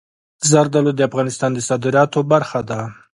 زردالو د افغانستان د صادراتو برخه ده.